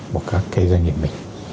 của các cái doanh nghiệp mình